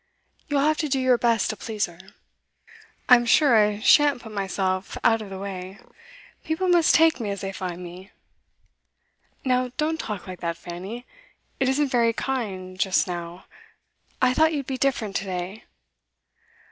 You'll have to do your best to please her.' 'I'm sure I shan't put myself out of the way. People must take me as they find me.' 'Now don't talk like that, Fanny. It isn't very kind just now. I thought you'd be different to day.